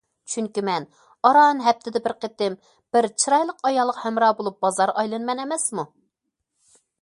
چۈنكى مەن ئاران ھەپتىدە بىر قېتىم بىر چىرايلىق ئايالغا ھەمراھ بولۇپ بازار ئايلىنىمەن ئەمەسمۇ؟!